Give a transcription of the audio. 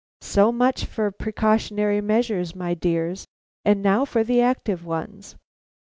So much for precautionary measures, my dears; and now for the active ones.